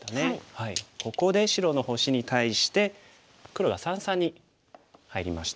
ここで白の星に対して黒が三々に入りました。